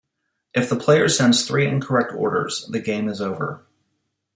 If the player sends three incorrect orders, the game is over.